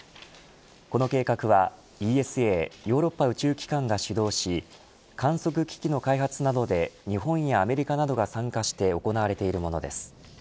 この計画はＥＳＡヨーロッパ宇宙機関が主導し観測機器の開発などで日本やアメリカなどが参加して行われているものです。